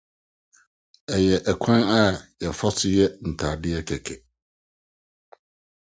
Ɛyɛ ɔkwan a wɔfa so yɛ ntade kɛkɛ.